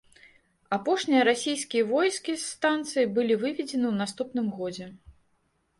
Апошнія расійскія войскі з станцыі былі выведзены ў наступным годзе.